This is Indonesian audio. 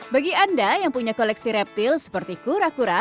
bagi anda yang punya koleksi reptil seperti kura kura